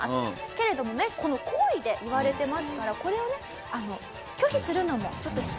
けれどもね好意で言われてますからこれをね拒否するのもちょっと失礼ですよね。